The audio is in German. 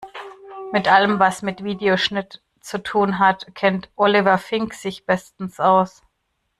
Mit allem, was mit Videoschnitt zu tun hat, kennt Oliver Fink sich bestens aus.